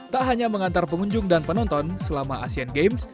tak hanya mengantar pengunjung dan penonton selama asian games